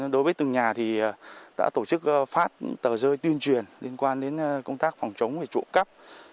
đối với từng nhà đã tổ chức phát tờ rơi tuyên truyền liên quan đến công tác phòng chống chỗ cắp